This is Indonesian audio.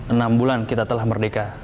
enam bulan kita telah merdeka